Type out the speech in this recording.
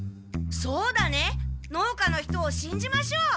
そうだね農家の人をしんじましょう。